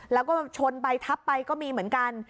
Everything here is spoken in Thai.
แล้วก็ชนไปทับไปก็มีเหมือนกัน